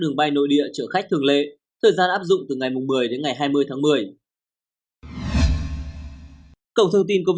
ngày một mươi tháng một mươi